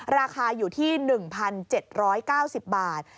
ราคาอยู่ที่๑๗๙๐บาท